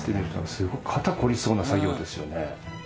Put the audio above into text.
すごい肩凝りそうな作業ですよね。